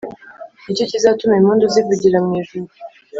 Nicyo kizatuma impundu zivugira mu ijuru